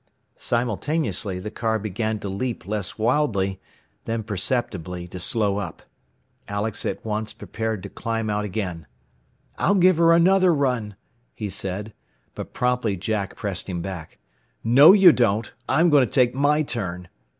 Simultaneously the car began to leap less wildly, then perceptibly to slow up. Alex at once prepared to climb out again. "I'll give her another run," he said. But promptly Jack pressed him back. "No you don't! I'm going to take my turn."